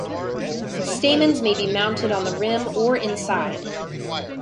Stamens may be mounted on the rim or inside.